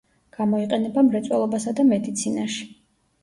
გამოიყენება მრეწველობასა და მედიცინაში.